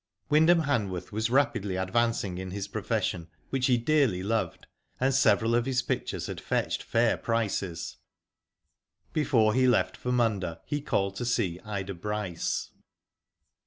Wyndham Hanworth was rapidly advancing in his profession, which he dearly loved, and several of his pictures had fetched fair prices. Before he left for Munda, he called to see Ida Bryce.